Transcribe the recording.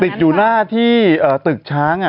ติดอยู่หน้าที่ตึกช้าง